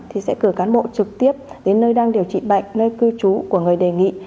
thì sẽ cử cán bộ trực tiếp đến nơi đang điều trị bệnh nơi cư trú của người đề nghị